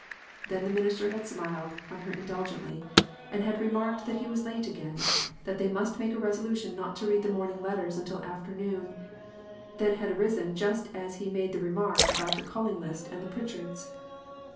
Then the minister had smiled on her indul gently, and had remarked that he was late again ; that they must make a resolution not to read the morning letters until afternoon ; then had arisen just as he made that remark about the calling list and the Pritchards.